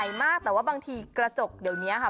ใสมากแต่บางทีกระจกเดี๋ยวแบบนี้ค่ะ